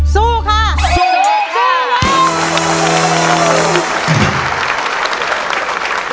สู้ค่ะ